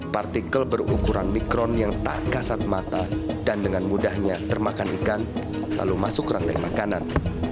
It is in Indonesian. partikel berukuran mikron yang tak kasat mata dan dengan mudahnya termakan ikan lalu masuk rantai makanan